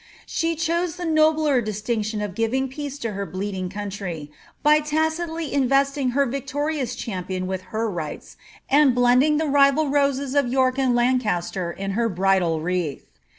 She chose the nobler distinction of giving peace to her Ueeding country, by tacitly investing her victorious champion with her rights, and blending the rival roses of York and Lancaster in her bridal wreath.